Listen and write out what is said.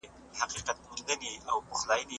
د ترافیکي پېښو زیاتوالی د ناسم مدیریت نښه ده.